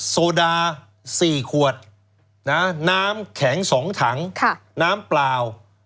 โซดา๔ขวดน้ำแข็ง๒ถังน้ำเปล่า